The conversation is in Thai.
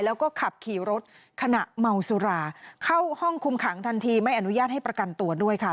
แล้วก็ขับขี่รถขณะเมาสุราเข้าห้องคุมขังทันทีไม่อนุญาตให้ประกันตัวด้วยค่ะ